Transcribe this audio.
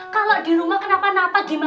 kalau di rumah kenapa napa gimana